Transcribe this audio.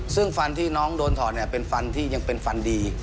ซึ่งฟันที่น้องโดนถอดเนี่ยเป็นฟันที่ยังเป็นฟันดี